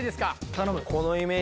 頼む。